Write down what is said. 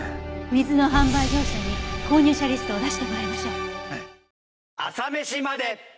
水の販売業者に購入者リストを出してもらいましょう。